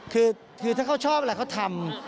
คือถ้าเขาชอบอะไรเขาทำ